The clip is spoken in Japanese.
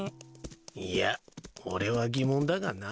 いや俺は疑問だがな。